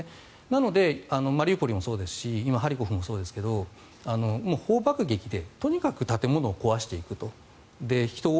なのでマリウポリもそうですし今、ハリコフもそうですが砲爆撃でとにかく建物を壊していくと。